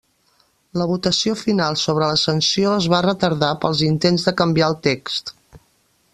La votació final sobre la sanció es va retardar pels intents de canviar el text.